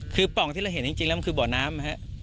คือป่องที่เราเห็นจริงแล้วมันคือบ่อน้ำ